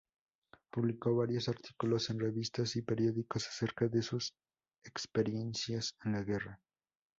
Publicó varios artículos en revistas y periódicos acerca de sus experiencias en la guerra.